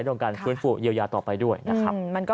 ต้องการฟื้นฟูเยียวยาต่อไปด้วยนะครับ